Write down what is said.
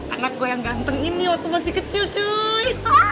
anak gua yang ganteng ini waktu masih kecil cuy